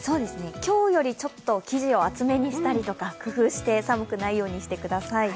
今日より生地を厚めにしたり、工夫をして寒くないようにしてください。